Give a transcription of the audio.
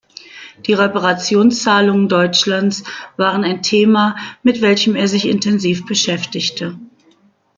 Die Reparationszahlungen Deutschlands waren ein Thema, mit welchem er sich intensiv beschäftigte.